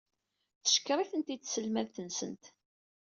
Teckeṛ-itent-id tselmadt-nsent.